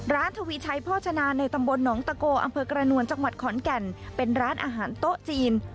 ทวีชัยโภชนาในตำบลหนองตะโกอำเภอกระนวลจังหวัดขอนแก่นเป็นร้านอาหารโต๊ะจีน